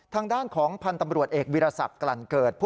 ทางด้านของพันธ์ตำรวจเอกวิรสักกลั่นเกิด